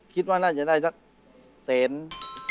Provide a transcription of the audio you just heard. คิดว่าน่าจะได้สักแสน